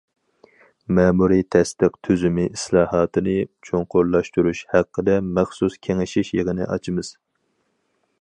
‹‹ مەمۇرىي تەستىق تۈزۈمى ئىسلاھاتىنى چوڭقۇرلاشتۇرۇش›› ھەققىدە مەخسۇس كېڭىشىش يىغىنى ئاچىمىز.